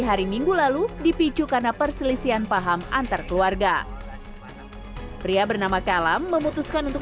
hari minggu lalu dipicu karena perselisihan paham antar keluarga pria bernama kalam memutuskan untuk